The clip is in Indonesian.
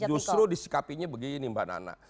justru disikapinya begini mbak nana